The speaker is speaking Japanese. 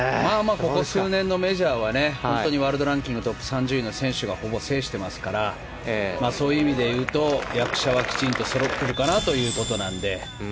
ここ数年のメジャーはワールドランキングトップ３０位の選手がほぼ制していますからそういう意味でいうと役者は、きちんとそろっているかなということなので。